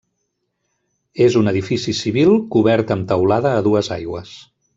És un edifici civil cobert amb teulada a dues aigües.